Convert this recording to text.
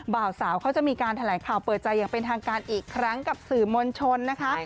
บ่าวสาวเขาจะมีการแถลงข่าวเปิดใจอย่างเป็นทางการอีกครั้งกับสื่อมวลชนนะคะ